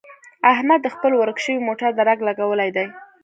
احمد د خپل ورک شوي موټر درک لګولی دی.